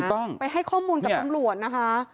ต้องไปให้ข้อมูลกับตำรวจนะคะ